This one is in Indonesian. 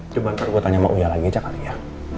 cuma ntar buat gue tanya sama uya lagi aja kali ya